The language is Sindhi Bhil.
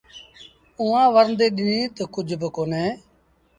اُئآݩٚ ورنديٚ ڏنيٚ تا، ”ڪجھ با ڪونهي۔